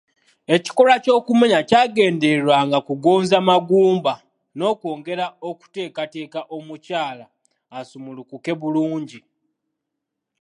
Ekikolwa ky’okumenya kyagendererwanga kugonza magumba n’okwongera okuteekateeka omukyala asumulukuke bulungi.